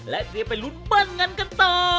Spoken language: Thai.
และเรียบไปรุ้นเบิ่งเงินกันต่อ